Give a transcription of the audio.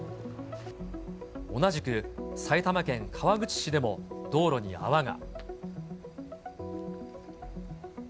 同じく埼玉県川口市でも、道路に泡が。